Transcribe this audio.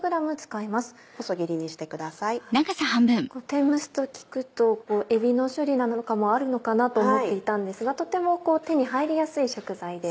天むすと聞くとエビの処理なんかもあるのかなと思っていたんですがとても手に入りやすい食材で。